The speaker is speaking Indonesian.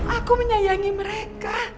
aku menyayangi mereka